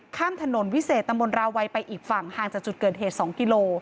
ข้ามถนนวิเศษตะมนตราวัยไปอีกฝั่งห่างจากจุดเกิดเหตุ๒กิโล